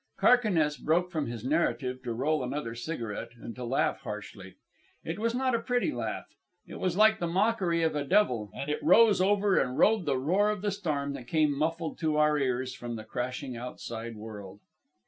Carquinez broke from his narrative to roll another cigarette and to laugh harshly. It was not a pretty laugh; it was like the mockery of a devil, and it rose over and rode the roar of the storm that came muffled to our ears from the crashing outside world.